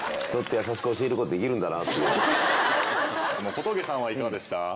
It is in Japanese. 小峠さんはいかがでした？